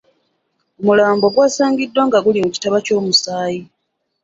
Omulambo gwasangiddwa nga guli mu kitaba ky’omusaayi.